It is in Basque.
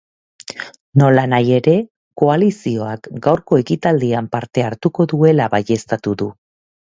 Nolanahi ere, koalizioak gaurko ekitaldian parte hartuko duela baieztatu du.